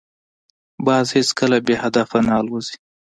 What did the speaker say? باز هیڅکله بې هدفه نه الوزي